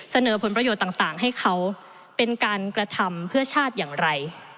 เสนอผลประโยชน์ต่างให้เขาเป็นการกระทำเพื่อชาติอย่างไร